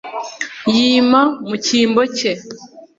yima mu cyimbo cye